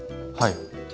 はい。